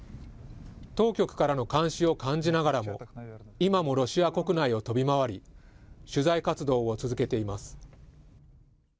当局からの監視を感じながらも、今もロシア国内を飛び回り、取材活動を続けています。